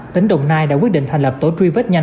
tỉnh đồng nai đã quyết định thành lập tổ truy vết nhanh